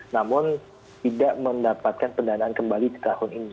namun tidak mendapatkan pendanaan kembali di tahun ini